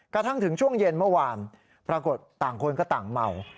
กระทั่งถึงช่วงเย็นเมื่อวานปรากฏต่างคนก็ต่างเมา